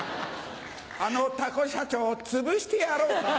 あのタコ社長つぶしてやろうか。